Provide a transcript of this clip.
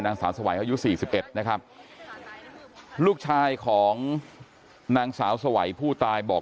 นางสาวสวัยอายุ๔๑นะครับลูกชายของนางสาวสวัยผู้ตายบอก